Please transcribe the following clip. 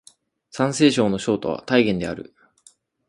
山西省の省都は太原である